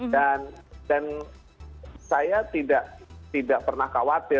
dan dan saya tidak tidak pernah khawatir